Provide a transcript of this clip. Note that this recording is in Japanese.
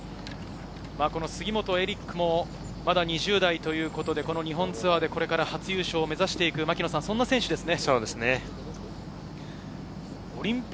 杉本エリックもまだ２０代ということで日本ツアーで初優勝を目指していく、そんな選手ですね。